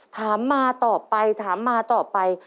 ถามมาตอบไปถามมาตอบไป